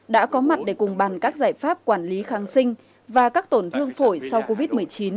đã có mặt để cùng bàn các giải pháp quản lý kháng sinh và các tổn thương phổi sau covid một mươi chín